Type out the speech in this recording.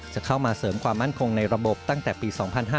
จะเข้ามาเสริมความมั่นคงในระบบตั้งแต่ปี๒๕๕๙